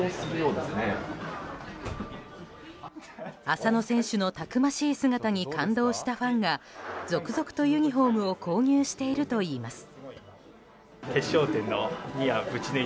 浅野選手のたくましい姿に感動したファンが続々とユニホームを購入しているといいます。